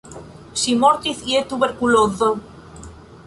Ŝi mortis je tuberkulozo.